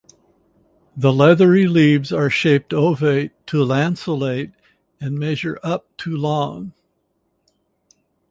The leathery leaves are shaped ovate to lanceolate and measure up to long.